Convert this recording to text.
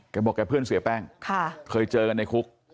แกบอกแกเพื่อนเสียแป้งเคยเจอกันในคุก